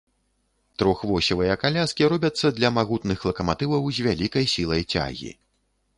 Трохвосевыя каляскі робяцца для магутных лакаматываў з вялікай сілай цягі.